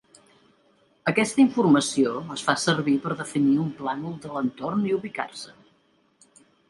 Aquesta informació es fa servir per definir un plànol de l'entorn i ubicar-se.